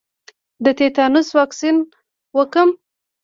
د تیتانوس واکسین وکړم؟